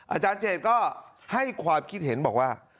อาจารย์เจดก็ให้ความคิดเห็นบอกว่า